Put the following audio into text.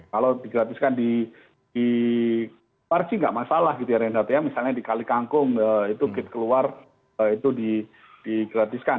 kalau digratiskan di parching tidak masalah misalnya di kali kangkung itu gate keluar itu digratiskan